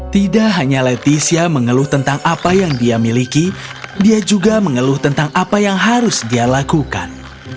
tidak hanya leticia mengeluh tentang apa yang dia miliki dia juga mengeluh tentang apa yang harus dia lakukan